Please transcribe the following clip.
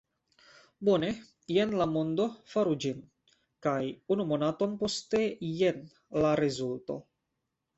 "Bone, jen la mondo, faru ĝin!" kaj unu monaton poste, jen la rezulto!